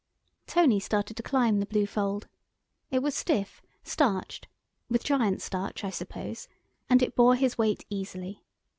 Tony started to climb the blue fold. It was stiff, starched—with giant starch, I suppose—and it bore his weight easily.